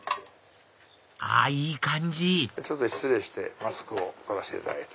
あいい感じ失礼してマスクを取らせていただいて。